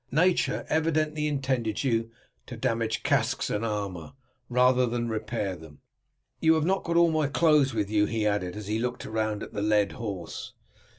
Nature evidently intended you to damage casques and armour rather than to repair them. You have not got all my clothes with you," he added, as he looked round at the led horse.